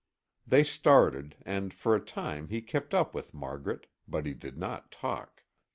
They started, and for a time he kept up with Margaret, but he did not talk.